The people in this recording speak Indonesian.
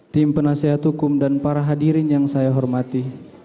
tim penasehat hukum dan para hadirin yang saya hormati